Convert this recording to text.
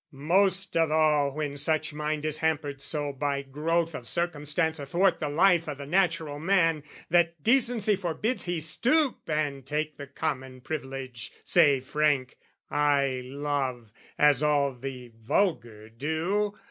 Most of all when such mind is hampered so By growth of circumstance athwart the life O' the natural man, that decency forbids He stoop and take the common privilege, Say frank "I love," as all the vulgar do.